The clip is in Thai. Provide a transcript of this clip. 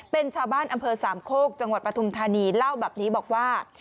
เป็นชาวบ้านอำเภอสามโคกจังหวัดปฐุมธานีเล่าแบบนี้บอกว่า